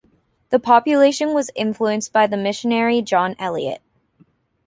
The population was influenced by the missionary John Eliot.